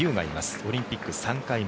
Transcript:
オリンピック３回目。